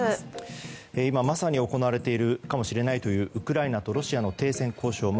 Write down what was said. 今、まさに行われているかもしれないというウクライナとロシアの停戦交渉。